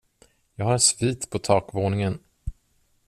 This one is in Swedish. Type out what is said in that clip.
Jag har en svit på takvåningen.